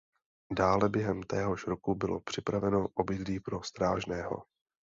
Dále během téhož roku bylo připraveno obydlí pro strážného.